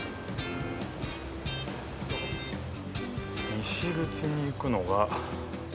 西口に行くのが。